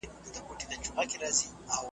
زما غویی که په منطقو پوهېدلای .